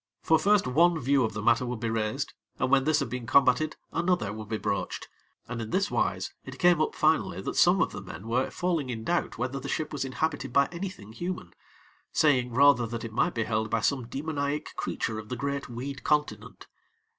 For first one view of the matter would be raised, and when this had been combated, another would be broached, and in this wise it came up finally that some of the men were falling in doubt whether the ship was inhabited by anything human, saying rather that it might be held by some demoniac creature of the great weed continent.